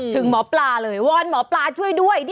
ถึงหมอปลาเลยวอนหมอปลาช่วยด้วย